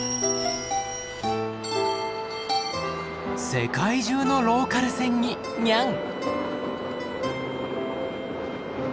世界中のローカル線にニャン。